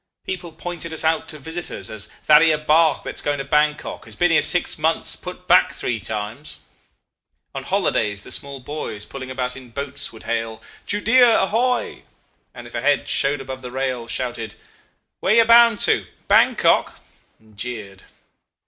People pointed us out to visitors as 'That 'ere bark that's going to Bankok has been here six months put back three times.' On holidays the small boys pulling about in boats would hail, 'Judea, ahoy!' and if a head showed above the rail shouted, 'Where you bound to? Bankok?' and jeered.